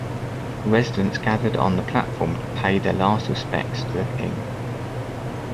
Residents gathered on the platform to pay their last respects to the King.